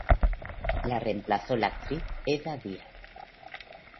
La reemplazó la actriz Edda Díaz.